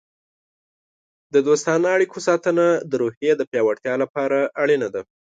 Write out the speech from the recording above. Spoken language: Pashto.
د دوستانه اړیکو ساتنه د روحیې د پیاوړتیا لپاره اړینه ده.